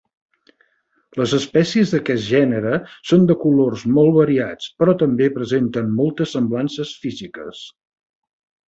Les espècies d'aquest gènere són de colors molt variats, però també presenten moltes semblances físiques.